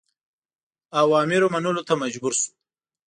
اوامرو منلو ته مجبور شو.